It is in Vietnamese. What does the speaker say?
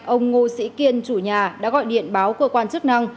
ông ngô sĩ kiên chủ nhà đã gọi điện báo cơ quan chức năng